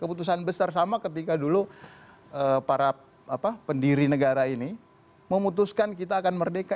keputusan besar sama ketika dulu para pendiri negara ini memutuskan kita akan merdeka